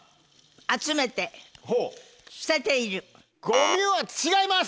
ゴミは違います！